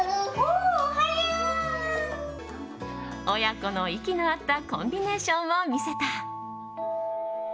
親子の息の合ったコンビネーションを見せた。